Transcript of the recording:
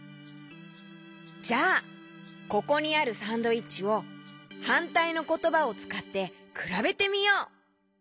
じゃあここにあるサンドイッチをはんたいのことばをつかってくらべてみよう！